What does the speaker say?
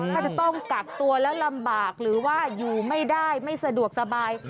ถ้าจะต้องกักตัวแล้วลำบากหรือว่าอยู่ไม่ได้ไม่สะดวกสบาย